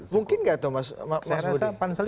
mungkin gak itu mas budi saya rasa pansel